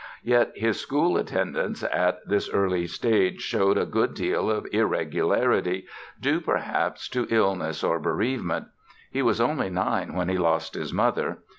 Yet his school attendance at this early stage showed a good deal of irregularity, due, perhaps, to illness or bereavement. He was only nine when he lost his mother.